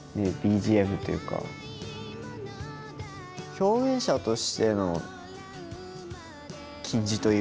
表現者としての矜持というか。